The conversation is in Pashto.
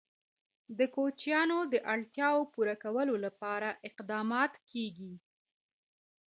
د کوچیانو د اړتیاوو پوره کولو لپاره اقدامات کېږي.